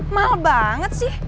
mahal banget sih